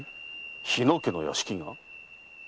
日野家の屋敷が？